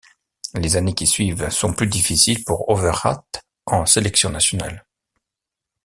Les années qui suivent sont plus difficiles pour Overath en sélection nationale.